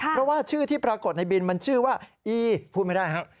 เพราะว่าชื่อที่ปรากฏในบินมันชื่อว่าอีพูดไม่ได้ครับ